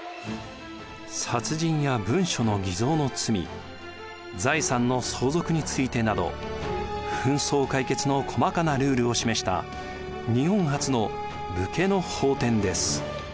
殺人や文書の偽造の罪財産の相続についてなど紛争解決の細かなルールを示した日本初の武家の法典です。